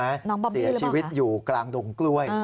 น้องบอบบี้หรือเปล่าคะเสียชีวิตอยู่กลางดงกล้วย